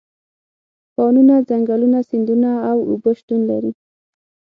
کانونه، ځنګلونه، سیندونه او اوبه شتون لري.